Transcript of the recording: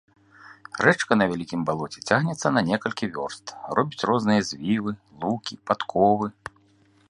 Рэчка на вялікім балоце цягнецца на некалькі вёрст, робіць розныя звівы, лукі, падковы.